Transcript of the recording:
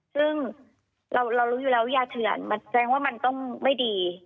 ซึ่งเรารู้อยู่แล้วว่ายาเถื่อนมันแสดงว่ามันต้องไม่ดี